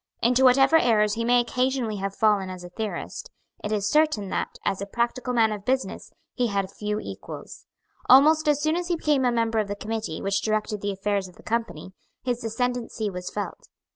Into whatever errors he may occasionally have fallen as a theorist, it is certain that, as a practical man of business, he had few equals. Almost as soon as he became a member of the committee which directed the affairs of the Company, his ascendency was felt.